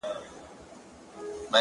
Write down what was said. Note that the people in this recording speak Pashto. • له ناکامه د خپل کور پر لور روان سو ,